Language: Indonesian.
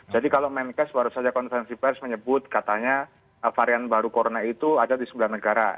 jadi kalau main case baru saja konvensi virus menyebut katanya varian baru corona itu ada di sembilan negara